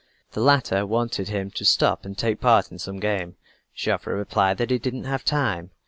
The latter wanted him to stop and take part in some game. Joffre replied that he didn't have time.